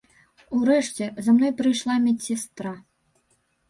Урэшце, за мной прыйшла медсястра.